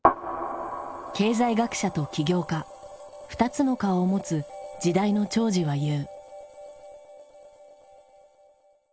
経済学者と起業家２つの顔を持つ時代の寵児は言う。